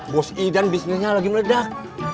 bos idan bisnisnya lagi meledak